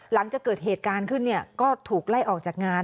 หลังจากเกิดเหตุการณ์ขึ้นก็ถูกไล่ออกจากงาน